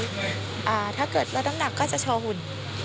ที่ถ้าเกิดแล้วน้ำหนักก็จะโชว์ขุน